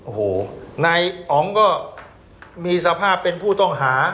โอ้โหนายอ๋องก็มีสภาพเป็นผู้ต้องหา